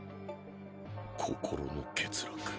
心の欠落。